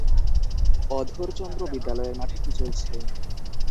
অধরচন্দ্র বিদ্যালয়ের মাঠে কি চলছে?